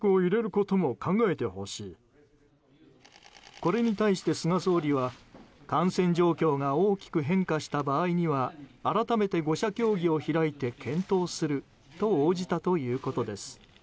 これに対して、菅総理は感染状況が大きく変化した場合には改めて５者協議を開いて検討すると応じたということです。